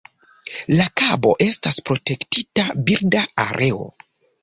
La kabo estas protektita birda areo.